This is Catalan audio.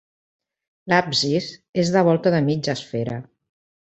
L'absis és de volta de mitja esfera.